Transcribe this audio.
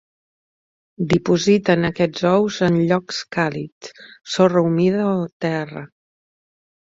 Dipositen aquests ous en llocs càlids, sorra humida o terra.